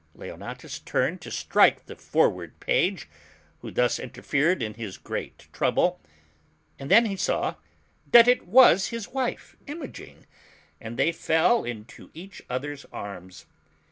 " Leonatus turned to strike the forward page who thus interfered in his great trouble, and then he saw that it was his wife, Imogen, and they fell into each other's arms.